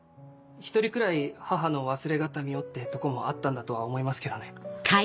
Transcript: １人くらい母の忘れ形見をってとこもあったんだとは思いますけどね。